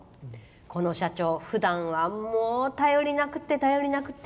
この社長、ふだんはもう頼りなくって頼りなくって。